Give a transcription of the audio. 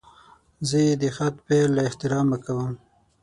زه د خط پیل له احترامه کوم.